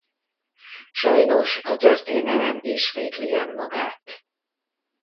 Sajnos a történelem ismétli önmagát.